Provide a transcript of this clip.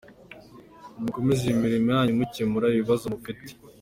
Nimukomeze imirimo yanyu mukemura ibibazo mufite.